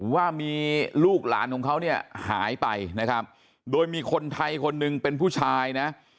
ว่ามีลูกหลานของเขาเนี่ยหายไปนะครับโดยมีคนไทยคนหนึ่งเป็นผู้ชายนะ